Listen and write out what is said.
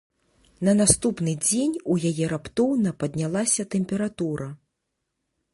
На наступны дзень у яе раптоўна паднялася тэмпература.